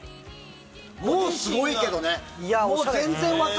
もうすごいけどね。